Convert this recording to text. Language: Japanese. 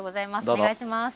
お願いします。